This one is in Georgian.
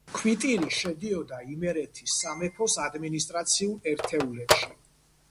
ქვიტირი შედიოდა იმერეთის სამეფოს ადმინისტრაციულ ერთეულებში